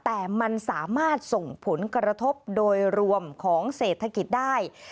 แต่มันสามารถส่งผลกระทบโดยรวมของเศรษฐกิจได้